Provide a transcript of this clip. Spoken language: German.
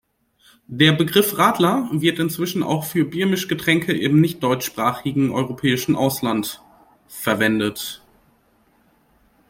Der Begriff "Radler" wird inzwischen auch für Biermischgetränke im nichtdeutschsprachigen europäischen Ausland verwendet.